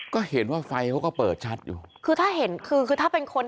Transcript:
ก็เห็นว่าไฟก็เปิดชัดถ้าเป็นคนที่บ้านอ่ะเครื่องเห็นเจอแล้ว